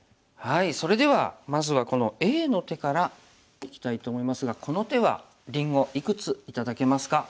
それではまずはこのＡの手からいきたいと思いますがこの手はりんごいくつ頂けますか？